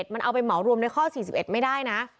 มันเอาไปเหมารวมในข้อ๔๑ไม่ได้นะ